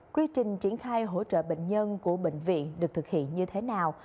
quy trình triển khai hỗ trợ bệnh nhân của bệnh viện được thực hiện như thế nào